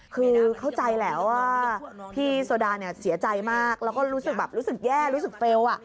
คือเข้าใจแล้วว่าพี่โซดาเนี่ยเสียใจมากแล้วก็รู้สึกแย่รู้สึกเฟลล์อะ